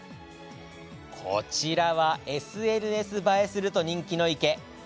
こちらはＳＮＳ映えすると人気の池。